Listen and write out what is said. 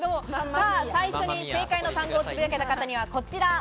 最初に正解の単語をつぶやいた方にはこちら。